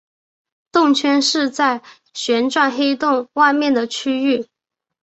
动圈是在旋转黑洞外面的区域。